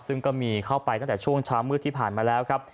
ซึ่งก็มีเข้าไปตั้งแต่ช่วงเช้ามืดที่ผ่านมาแล้วครับ